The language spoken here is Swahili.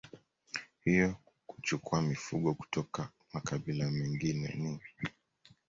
hiyo kuchukua mifugo kutoka makabila mengine ni